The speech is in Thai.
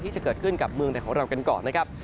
ที่จะเกิดขึ้นกับเมืองไทยของเรากันก่อนนะครับ